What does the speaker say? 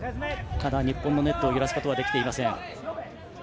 ただ日本のネットを揺らすことはできていません。